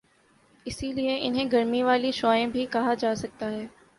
اسی لئے انہیں گرمی والی شعاعیں بھی کہا جاسکتا ہے